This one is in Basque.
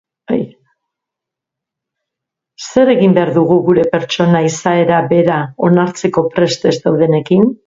Zer egin behar dugu gure pertsona izaera bera onartzeko prest ez daudenekin?